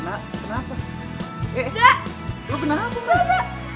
lo kenapa mai